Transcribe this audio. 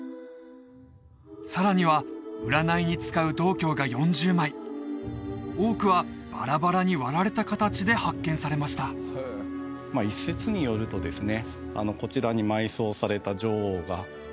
さらには占いに使う銅鏡が４０枚多くはバラバラに割られた形で発見されました一説によるとですね